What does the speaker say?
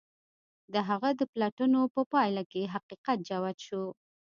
د هغه د پلټنو په پايله کې حقيقت جوت شو.